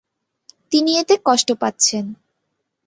তিনি এতে কষ্ট পাচ্ছেন।